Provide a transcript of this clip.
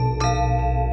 tidak perlu bergengseh